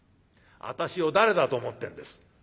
私を誰だと思ってんです。